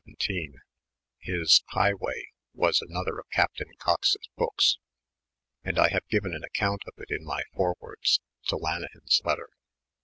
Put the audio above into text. This Hye Way was another of Captain Cox's booksj and I have given an account of it in my Forewords to Lanekam's Letter.